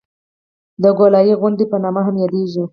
د کولالۍ غونډۍ په نامه هم یادېږي.